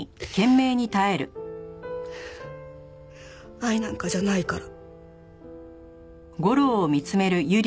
愛なんかじゃないから。